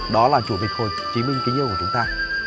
đó là chủ tịch hồ chí minh kính yêu của chúng ta